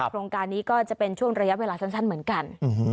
โครงการนี้ก็จะเป็นช่วงระยะเวลาสั้นเหมือนกัน